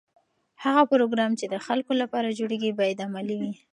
هغه پروګرام چې د خلکو لپاره جوړیږي باید عملي وي.